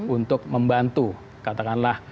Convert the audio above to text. untuk membantu katakanlah